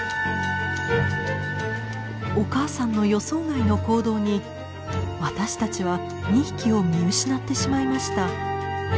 お母さんの予想外の行動に私たちは２匹を見失ってしまいました。